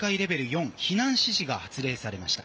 ４避難指示が発令されました。